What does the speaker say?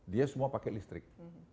dia semua pakai listrik